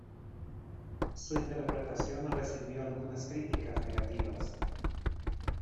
Su interpretación recibió algunas críticas negativas.